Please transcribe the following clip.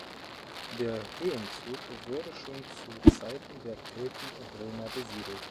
Der Höhenzug wurde schon zu Zeiten der Kelten und Römer besiedelt.